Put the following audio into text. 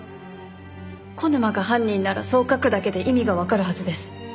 小沼が犯人ならそう書くだけで意味がわかるはずです。